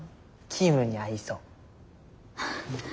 キームンに合いそう。